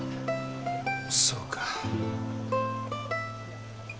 そうか。